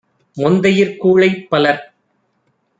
மொந்தையிற் கூழைப் - பலர்